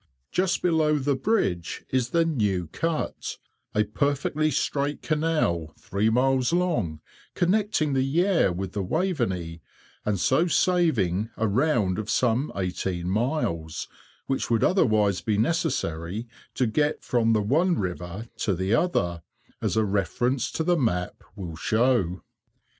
Just below the bridge is the New Cut, a perfectly straight canal, three miles long, connecting the Yare with the Waveney, and so saving a round of some eighteen miles, which would otherwise be necessary to get from the one river to the other, as a reference to the map will show.